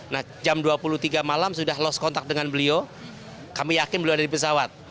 nah jam dua puluh tiga malam sudah lost contact dengan beliau kami yakin beliau ada di pesawat